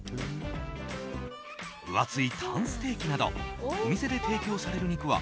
分厚いタンステーキなどお店で提供される肉は